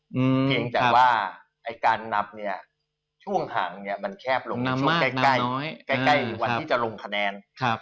เพียงแต่ว่าการนำช่วงห่างมันแคบลงมาช่วงใกล้วันที่จะลงคะแนน